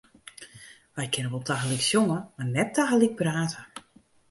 Wy kinne wol tagelyk sjonge, mar net tagelyk prate.